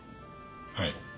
はい。